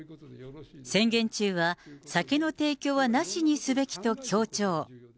宣言中は酒の提供はなしにすべきと強調。